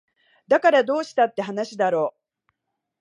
だからどうしたって話だろ